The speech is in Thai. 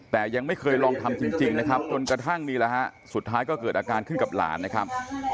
แต่ยังไม่เคยลองทำจริงนะครับจนกระทั่งนี่แหละฮะสุดท้ายก็เกิดอาการขึ้นกับหลานนะครับ